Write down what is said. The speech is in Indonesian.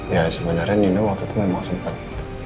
ya sebenarnya nino waktu itu memang sempat